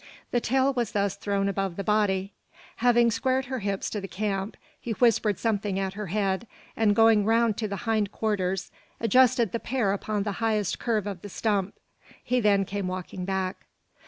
The tail was thus thrown above the body. Having squared her hips to the camp, he whispered something at her head; and going round to the hind quarters, adjusted the pear upon the highest curve of the stump. He then came walking back.